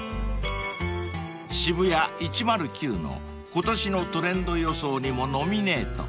［ＳＨＩＢＵＹＡ１０９の今年のトレンド予想にもノミネート］